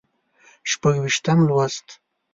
شپږ ویشتم لوست